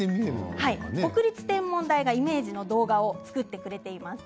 国立天文台がイメージ動画を作っています。